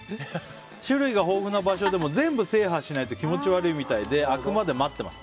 種類が豊富な場所でも全部制覇しないと気持ち悪いみたいで空くまで待っています。